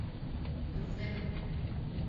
Түҙҙем!